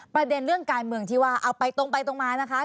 ประเด็นเรื่องการเมืองที่ว่าเอาไปตรงไปตรงมานะคะ